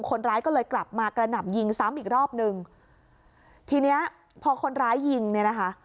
คนร้ายก็เลยกลับมากระหน่ำยิงซ้ำอีกรอบหนึ่งทีเนี้ยพอคนร้ายยิงเนี่ยนะคะ